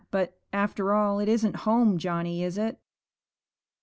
But, after all, it isn't home, Johnny, is it?'